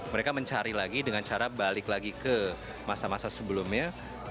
mereka mencari lagi dengan cara balik lagi ke masa masa sebelumnya